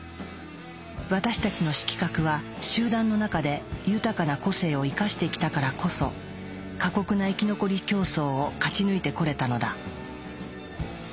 私たちの色覚は集団の中で豊かな個性を生かしてきたからこそ過酷な生き残り競争を勝ち抜いてこれたのだ。